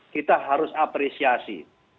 kita harus apresiasi